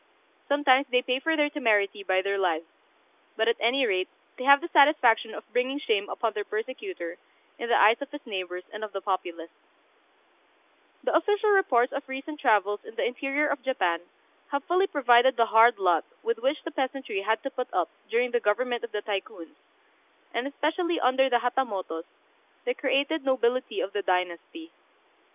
Sometimes they pay for their temerity by their lives; but, at any rate, they have the satisfaction of bringing shame upon their persecutor, in the eyes of his neighbours and of the populace. [Illustration: THE DEPUTATION OF PEASANTS AT THEIR LORD'S GATE.] The official reports of recent travels in the interior of Japan have fully proved the hard lot with which the peasantry had to put up during the government of the Tycoons, and especially under the Hatamotos, the created nobility of the dynasty.